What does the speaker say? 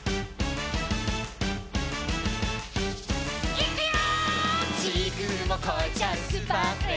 いくよ！